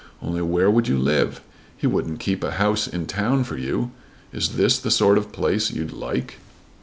Only where would you live? He wouldn't keep a house in town for you. Is this the sort of place you'd like?"